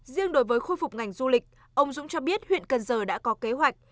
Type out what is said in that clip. riêng đối với khôi phục ngành du lịch ông dũng cho biết huyện cần giờ đã có kế hoạch